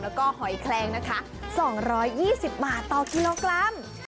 แล้วก็หอยแคลงนะคะ๒๒๐บาทต่อกิโลกรัม